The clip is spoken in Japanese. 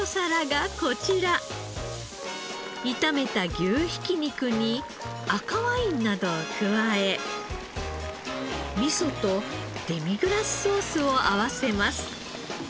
炒めた牛ひき肉に赤ワインなどを加え味噌とデミグラスソースを合わせます。